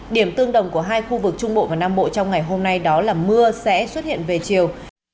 điểm tương đồng của hai khu vực trung bộ và nam bộ trong ngày hôm nay đó là mưa sẽ xuất hiện về chiều